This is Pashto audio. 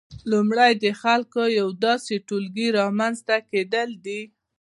لومړی د خلکو د یو داسې ټولګي رامنځته کېدل دي